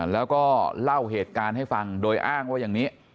แล้วก็เล่าเหตุการณ์ให้ฟังโดยอ้างว่าอย่างนี้